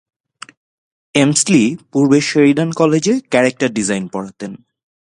এমস্লি পূর্বে শেরিডান কলেজে character design পড়াতেন।